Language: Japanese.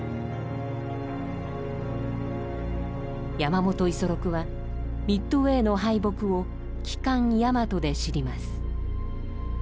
山本五十六はミッドウェーの敗北を旗艦大和で知ります。